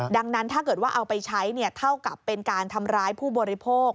ดังนั้นถ้าเกิดว่าเอาไปใช้เท่ากับเป็นการทำร้ายผู้บริโภค